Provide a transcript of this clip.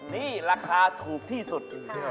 นี่ราคาถูกที่สุด